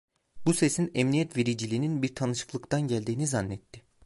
Bu sesin emniyet vericiliğinin bir tanışıklıktan geldiğini zannetti.